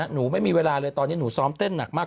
หนูไม่มีเวลาเลยตอนนี้หนูซ้อมเต้นหนักมาก